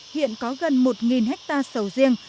hiện có gần một hectare sầu riêng